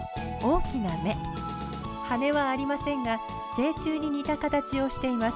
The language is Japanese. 羽はありませんが成虫に似た形をしています。